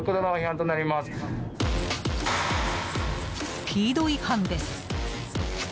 スピード違反です。